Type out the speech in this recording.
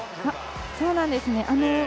そうなんですね。